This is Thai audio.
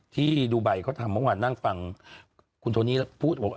ที่ดูใบเขาทำบางวันนั่งฟังคุณโทนิพูด